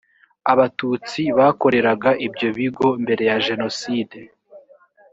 abatutsi bakoreraga ibyo bigo mbere ya jenoside